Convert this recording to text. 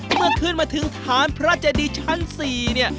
เมื่อขึ้นมาถึงฐานพระเจดีชั้น๔เนี่ย